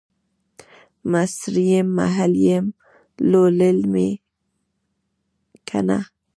مصریم ، محل یمه ، لولی مې کنه